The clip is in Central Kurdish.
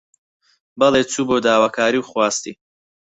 بەڵی، چوو بۆ داواکاری و خواستی